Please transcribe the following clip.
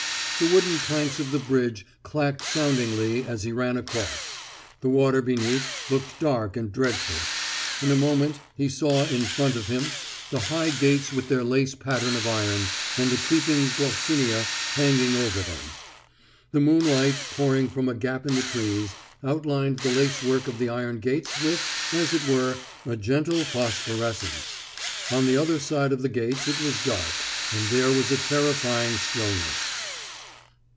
The wooden planks of the bridge clacked soundingly as he ran across; the water beneath looked dark and dreadful. In a moment he saw in front of him the high gates with their lace pattern of iron, and the creeping gloxinia hanging over them. The moonlight, pouring from a gap in the trees, outlined the lacework of the iron gates with, as it were, a gentle phosphorescence. On the other side of the gates it was dark, and there was a terrifying stillness.